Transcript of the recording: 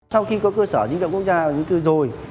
sau khi có cơ sở dữ liệu quốc gia về dân cư rồi